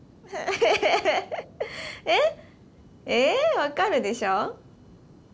え分かるでしょ？